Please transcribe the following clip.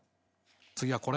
次はこれ？